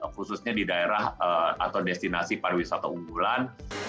khususnya di daerah atau destinasi para wisata unggulan